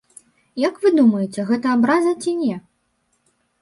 Як вы думаеце, гэта абраза, ці не?